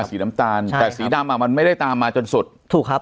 อ่าสีน้ำตาลใช่ครับแต่สีดำมันไม่ได้ตามมาจนสุดถูกครับถูกครับ